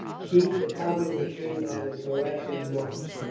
Keith accompanied the king on his harassing march.